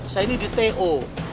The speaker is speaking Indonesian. saya ini di to